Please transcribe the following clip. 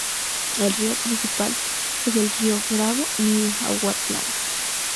El río principal es el río Bravo Miahuatlán.